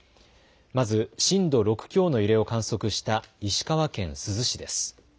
まず震度６強の揺れを観測した石川県珠洲市です。